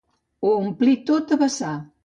Ho omplí tot a vessar.